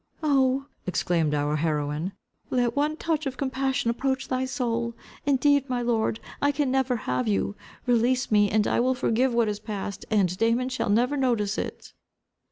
"Oh," exclaimed our heroine, "let one touch of compassion approach thy soul. Indeed, my lord, I can never have you. Release me, and I will forgive what is past, and Damon shall never notice it."